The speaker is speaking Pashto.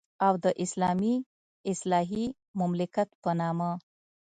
او د اسلامي اصلاحي مملکت په نامه.